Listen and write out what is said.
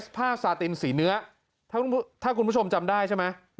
ผ้าสาตินสีเนื้อถ้าคุณผู้ชมจำได้ใช่ไหม